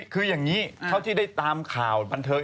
คืออย่างนี้เท่าที่ได้ตามข่าวบันเทิง